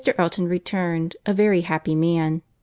Elton returned, a very happy man.